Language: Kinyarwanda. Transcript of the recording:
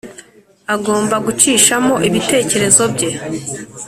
agomba gucishamo ibitekerezo bye.